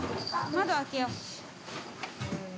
窓開けよう。